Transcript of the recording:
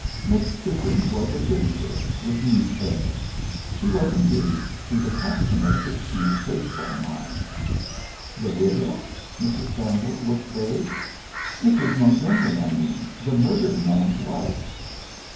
Miss Sissons was a pretty girl, with neat hair. She was engaged to the captain of Siskiyou's baseball nine. "The widow?" Mrs. Campbell looked vague. "Mrs. Montgomery, I mean the murdered man's wife.